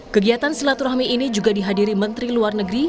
kegiatan silaturahmi ini juga dihadiri menteri luar negeri